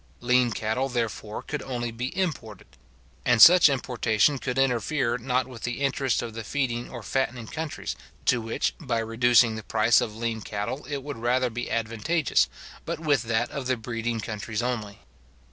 Lean cattle, therefore, could only be imported; and such importation could interfere not with the interest of the feeding or fattening countries, to which, by reducing the price of lean cattle it would rather be advantageous, but with that of the breeding countries only.